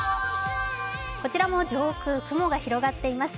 こちらも上空、雲が広がっています。